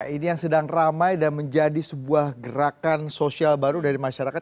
ini yang sedang ramai dan menjadi sebuah gerakan sosial baru dari masyarakat